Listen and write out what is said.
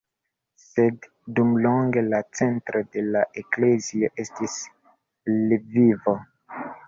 Sed dumlonge la centro de la eklezio estis Lvivo.